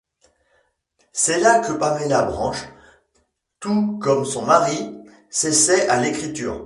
C’est là que Pamela Branch, tout comme son mari, s’essaie à l’écriture.